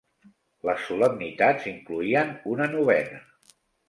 Les solemnitats incloïen una novena.